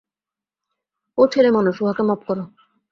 ও ছেলেমানুষ, উহাকে মাপ করো।